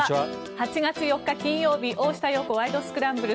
８月４日、金曜日「大下容子ワイド！スクランブル」。